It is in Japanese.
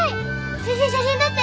先生写真撮って！